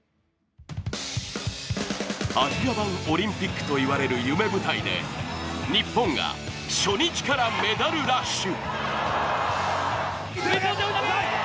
アジア版オリンピックといわれる夢舞台で日本が初日からメダルラッシュ。